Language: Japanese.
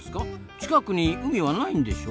近くに海はないんでしょ？